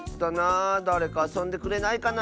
だれかあそんでくれないかな。